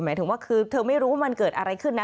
หมายถึงว่าคือเธอไม่รู้ว่ามันเกิดอะไรขึ้นนะ